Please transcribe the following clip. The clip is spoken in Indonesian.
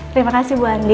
terima kasih bu andi